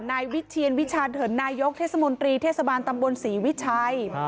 นายวิเชียนวิชาเถินนายกเทศมนตรีเทศบาลตำบลศรีวิชัย